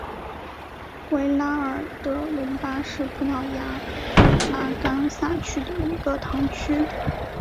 维拉尔德隆巴是葡萄牙布拉干萨区的一个堂区。